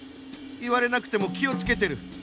言われなくても気をつけてる！